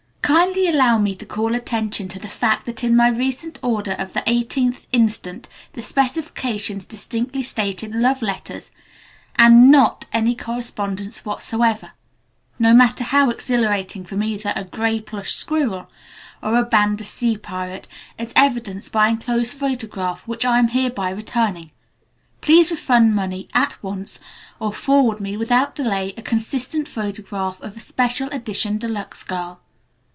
"Kindly allow me to call attention to the fact that in my recent order of the 18th inst., the specifications distinctly stated 'love letters', and not any correspondence whatsoever, no matter how exhilarating from either a 'Gray Plush Squirrel' or a 'Banda Sea Pirate' as evidenced by enclosed photograph which I am hereby returning. Please refund money at once or forward me without delay a consistent photograph of a 'special edition de luxe' girl.